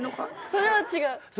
それは違うな。